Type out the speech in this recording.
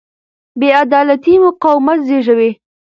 بې عدالتي مقاومت زېږوي